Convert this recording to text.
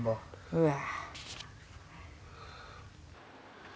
うわ。